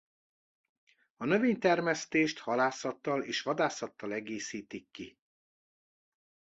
A növénytermesztést halászattal és vadászattal egészítik ki.